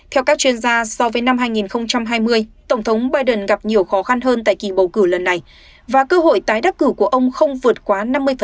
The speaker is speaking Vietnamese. theo các chuyên gia so với năm hai nghìn hai mươi tổng thống biden gặp nhiều khó khăn hơn tại kỳ bầu cử lần này và cơ hội tái đắc cử của ông không vượt quá năm mươi